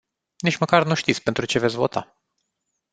Nici măcar nu știți pentru ce veți vota.